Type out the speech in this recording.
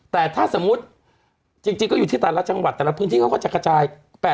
แต่ถ้าสมมุติจริงก็อยู่ที่แต่ละจังหวัดแต่ละพื้นที่เขาก็จะกระจาย